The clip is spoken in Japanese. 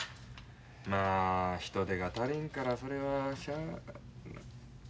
まあ人手が足りんからそれはしゃあな。